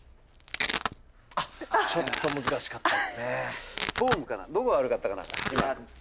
あっちょっと難しかったですね